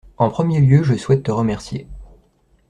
En premier lieu je souhaite te remercier.